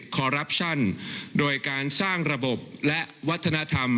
คอรัปชั่นโดยการสร้างระบบและวัฒนธรรม